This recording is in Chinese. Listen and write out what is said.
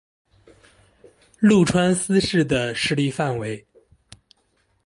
麓川思氏的势力范围。